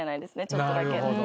ちょっとだけ。